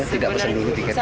tidak pesan dulu tiketnya